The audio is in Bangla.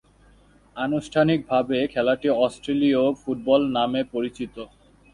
আনুষ্ঠানিকভাবে খেলাটি অস্ট্রেলীয় ফুটবল নামে পরিচিত।